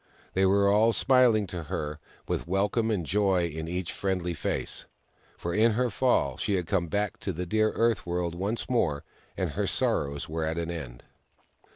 They were all smiling to her, with wel come and joy on each friendly face. For in her fall she had come back to the dear Earth World once more, and her sorrows were at an end.